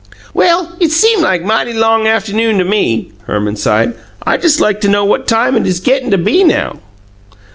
"Well, it seem like mighty long aft'noon to me," Herman sighed. "I jes' like to know what time it is gettin' to be now!"